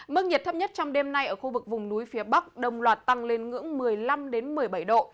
mức nhiệt thấp nhất trong đêm nay ở khu vực vùng núi phía bắc đồng loạt tăng lên ngưỡng một mươi năm một mươi bảy độ